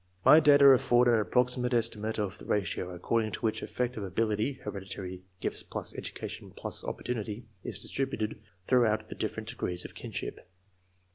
My data afford an approximate estimate of the ratio, according to which effective ability (hereditary gifts plus education plus opportunity) is distributed throughout the different degrees of kinship.